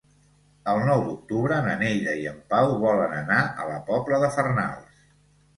El nou d'octubre na Neida i en Pau volen anar a la Pobla de Farnals.